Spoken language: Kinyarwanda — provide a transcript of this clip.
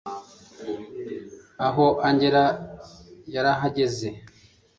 aho angella yarahagaze